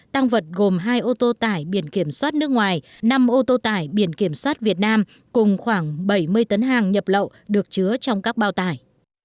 tăng vật gồm hai ô tô tải biển kiểm soát nước ngoài năm ô tô tải biển kiểm soát việt nam cùng khoảng bảy mươi tấn hàng nhập lậu được chứa trong các bao tải